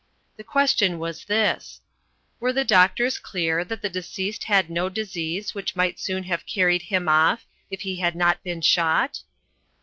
The question was this: "Were the doctors clear that the deceased had no disease which might soon have carried him off, if he had not been shot?"